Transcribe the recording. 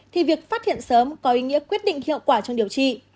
thì việc phát hiện sớm có ý nghĩa quyết định hiệu quả trong điều trị